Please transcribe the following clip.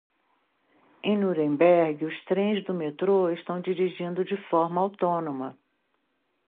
Em Nuremberg, os trens do metrô estão dirigindo de forma autônoma.